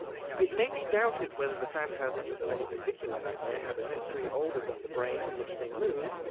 It may be doubted whether the phantasms of any particular nightmare have a history older than the brain in which they move.